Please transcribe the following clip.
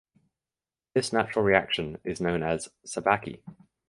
This natural reaction is known as Sabaki.